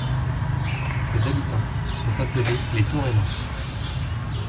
Ses habitants sont appelés les Torrellans.